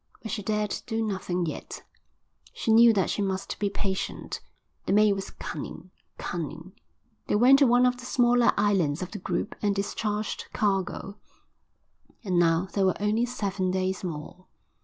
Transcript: But she dared do nothing yet. She knew that she must be patient. The mate was cunning, cunning. They went to one of the smaller islands of the group and discharged cargo, and now there were only seven days more.